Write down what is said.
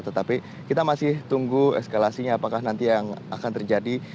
tetapi kita masih tunggu eskalasinya apakah nanti yang akan terjadi